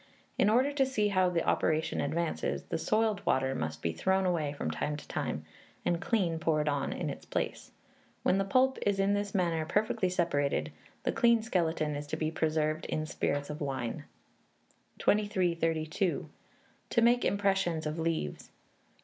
In order to see how the operation advances, the soiled water must be thrown away from time to time, and clean poured on in its place. When the pulp is in this manner perfectly separated, the clean skeleton is to be preserved in spirits of wine. 2332. To make Impressions of Leaves.